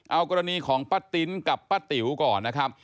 เอากรณีของป้าติ๊นกับป้าติ๋วก่อนนะครับ